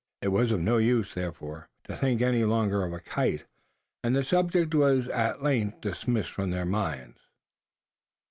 It was of no use, therefore, to think any longer of a kite; and the subject was at length dismissed from their minds.